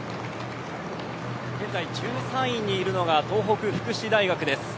現在１３位にいるのが東北福祉大学です。